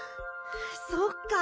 そっか。